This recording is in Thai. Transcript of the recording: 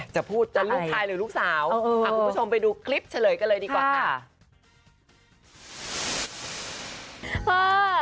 จะพูดจะลูกชายหรือลูกสาวคุณผู้ชมไปดูคลิปเฉลยกันเลยดีกว่าค่ะ